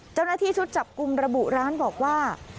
เจ้าหน้าที่ชุดจับกลุ่มระบุร้านบอกว่า